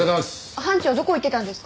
班長どこ行ってたんですか？